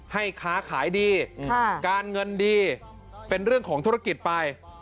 ค้าขายดีการเงินดีเป็นเรื่องของธุรกิจไป